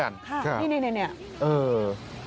อ่านี่